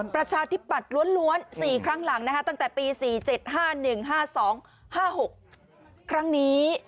ประชาธิปัตย์ล้วน๔ครั้งหลังตั้งแต่ปี๔๗๕๑๕๒๕๖ครั้งนี้